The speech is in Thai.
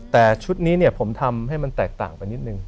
แต่ชุดนี้เนี่ยผมทำให้มันแตกต่างไปนิดนึง